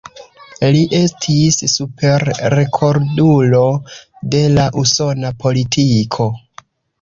Li estis "Super-rekordulo" de la usona politiko.